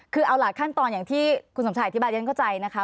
คือเอาล่ะขั้นตอนอย่างที่คุณสมชายอธิบายเรียนเข้าใจนะคะ